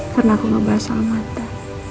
karena aku ngebahas alam mata